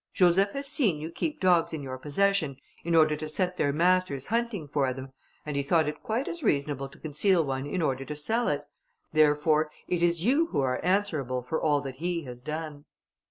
Joseph has seen you keep dogs in your possession, in order to set their masters hunting for them, and he thought it quite as reasonable to conceal one in order to sell it: therefore, it is you who are answerable for all that he has done."